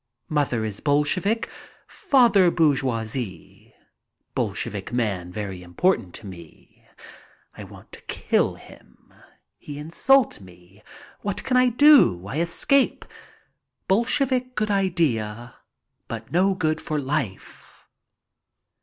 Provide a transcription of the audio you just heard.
Mother is Bolshevik, father bourgeoisie. Bolshevik man very impudent to me. I want to kill him. He insult me. What can I do? I escape. Bolshevik good idea, but no good for life."